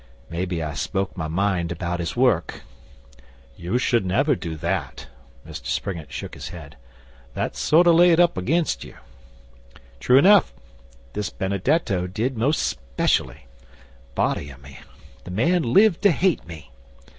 Maybe I spoke my mind about his work.' 'You shouldn't never do that.' Mr Springett shook his head. 'That sort lay it up against you.' 'True enough. This Benedetto did most specially. Body o' me, the man lived to hate me!